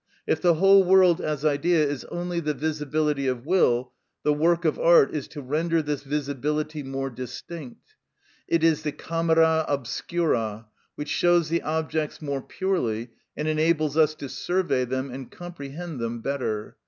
If the whole world as idea is only the visibility of will, the work of art is to render this visibility more distinct. It is the camera obscura which shows the objects more purely, and enables us to survey them and comprehend them better.